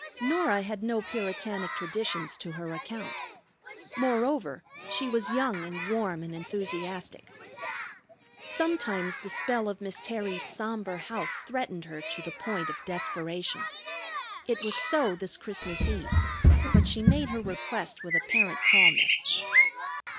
Norah had no puritanic traditions to her account. Moreover she was young and warm and enthusiastic. Sometimes the spell of Miss Terry's sombre house threatened her to the point of desperation. It was so this Christmas Eve; but she made her request with apparent calmness.